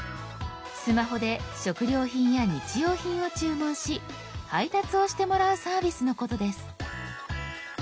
スマホで食料品や日用品を注文し配達をしてもらうサービスのことです。